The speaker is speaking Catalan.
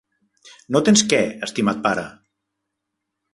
No tens què, estimat pare?